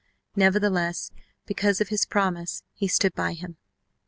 Nevertheless, because of his promise he stood by him.